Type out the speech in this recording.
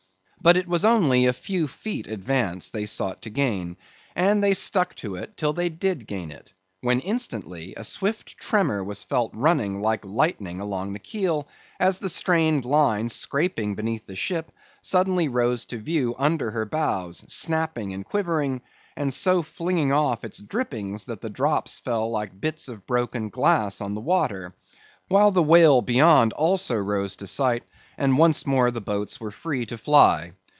But it was only a few feet advance they sought to gain. And they stuck to it till they did gain it; when instantly, a swift tremor was felt running like lightning along the keel, as the strained line, scraping beneath the ship, suddenly rose to view under her bows, snapping and quivering; and so flinging off its drippings, that the drops fell like bits of broken glass on the water, while the whale beyond also rose to sight, and once more the boats were free to fly.